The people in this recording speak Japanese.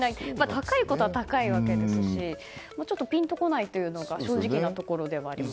高いことは高いわけですしちょっとピンとこないというのが正直なところですね。